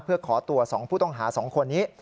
เพื่อขอตัว๒ผู้ต้องหา๒คนนี้